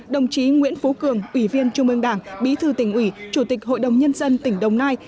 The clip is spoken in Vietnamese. đồng chí nguyễn phú cường ủy viên trung ương đảng bí thư tỉnh ủy chủ tịch hội đồng nhân dân tỉnh đồng nai